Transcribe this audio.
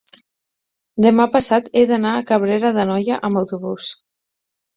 demà passat he d'anar a Cabrera d'Anoia amb autobús.